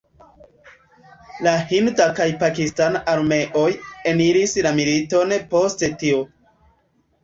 La hinda kaj pakistana armeoj eniris la militon poste tio.